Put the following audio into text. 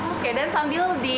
oke dan sambil diaduk juga